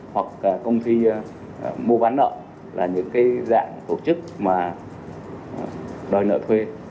hoặc công ty mua bán nợ là những cái dạng tổ chức mà đòi nợ thuê